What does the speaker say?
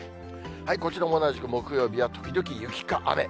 こちらも同じく木曜日は時々雪か雨。